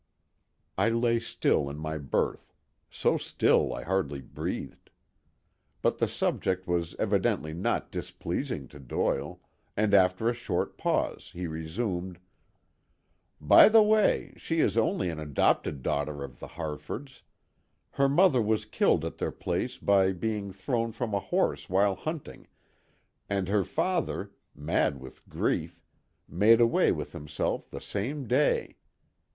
I lay still in my berth—so still I hardly breathed. But the subject was evidently not displeasing to Doyle, and after a short pause he resumed: "By the way, she is only an adopted daughter of the Harfords. Her mother was killed at their place by being thrown from a horse while hunting, and her father, mad with grief, made away with himself the same day.